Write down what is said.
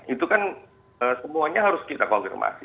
itu kan semuanya harus kita konfirmasi